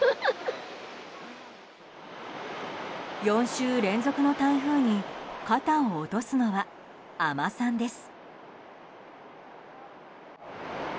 ４週連続の台風に肩を落とすのは海女さんです。